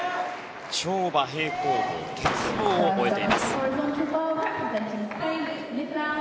跳馬、平行棒、鉄棒を終えています。